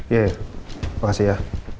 ya ya terima kasih ya